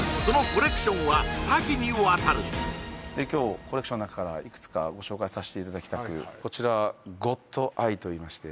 コレクションの中からいくつかご紹介させていただきたくこちらはゴッドアイ？